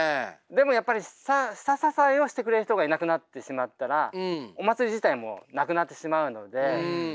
でもやっぱり下支えをしてくれる人がいなくなってしまったらお祭り自体もなくなってしまうので。